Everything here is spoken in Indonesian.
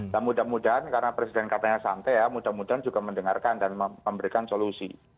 dan mudah mudahan karena presiden katanya santai ya mudah mudahan juga mendengarkan dan memberikan solusi